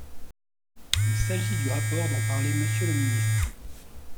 Il s’agit du rapport dont parlait Monsieur le ministre.